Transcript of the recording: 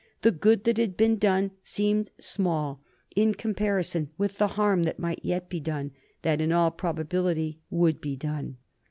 The good that had been done seemed small in comparison with the harm that might yet be done, that in all probability would be done.